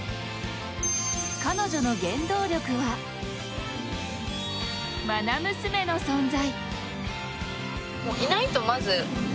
彼女の原動力はまな娘の存在。